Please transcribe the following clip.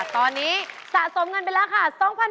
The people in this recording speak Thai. ตอนนี้สะสมเงินเป็นราคา๒๐๐๐บาท